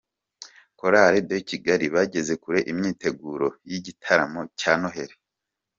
Chorale de Kigaki bageze kure imyiteguro y'igitaramo cya Noheli.